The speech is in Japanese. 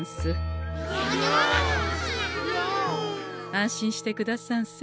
安心してくださんせ。